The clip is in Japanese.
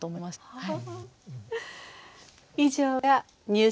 はい。